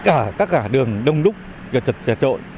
thường thì tất cả đường đông đúc trật trật trợ trội